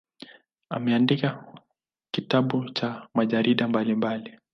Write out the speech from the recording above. Ameandika vitabu na majarida mbalimbali.